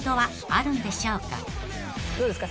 どうですか？